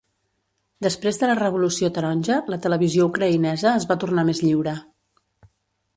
Després de la Revolució Taronja, la televisió ucraïnesa es va tornar més lliure.